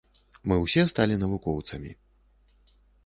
Мы ўсе сталі навукоўцамі.